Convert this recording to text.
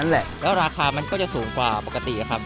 แหละแล้วราคามันก็จะสูงกว่าปกติครับ